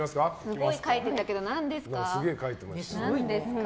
すごい書いてるけど何ですか。